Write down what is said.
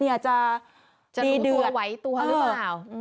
ดีเดือนจะหนูตัวไว้ตัวหรือเปล่า